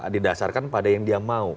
didasarkan pada yang dia mau